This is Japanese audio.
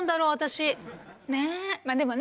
まあでもね